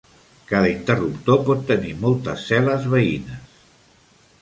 Cada interruptor pot tenir moltes cel·les veïnes.